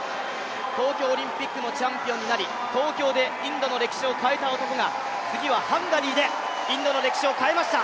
東京オリンピックのチャンピオンになり東京でインドの歴史を変えた男が次はハンガリーでインドの歴史を変えました。